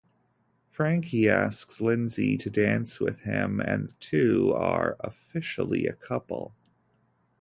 Frankie asks Lindsey to dance with him and the two are officially a couple.